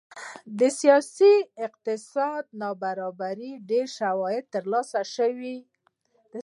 د سیاسي او اقتصادي نابرابرۍ ډېر شواهد ترلاسه شوي